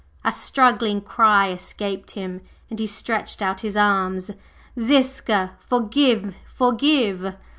A struggling cry escaped him, and he stretched out his arms: "Ziska! Forgive forgive!"